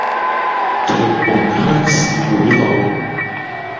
屯門鄉事會路